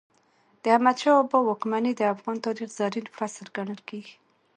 د احمد شاه بابا واکمني د افغان تاریخ زرین فصل ګڼل کېږي.